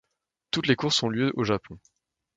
Toutes les courses ont lieu au Japon.